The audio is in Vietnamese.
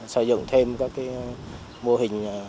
xây dựng thêm các mô hình